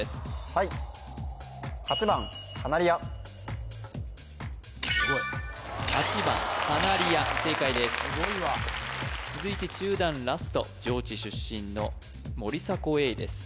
はい８番カナリア正解です続いて中段ラスト上智出身の森迫永依です